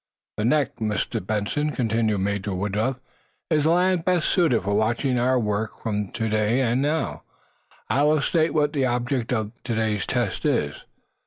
"The neck, Mr. Benson," continued Major Woodruff, "is the land best suited for watching our work from to day. And now, I will state what the object of to day's tests is.